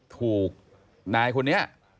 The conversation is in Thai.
ถูกนายคนนี้